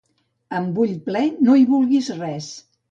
Amb ull ple, no hi vulguis res.